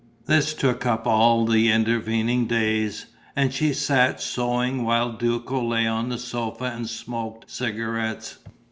This took up all the intervening days; and she sat sewing while Duco lay on the sofa and smoked cigarettes.